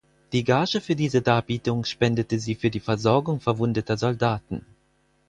Die Gage für diese Darbietung spendete sie für die Versorgung verwundeter Soldaten.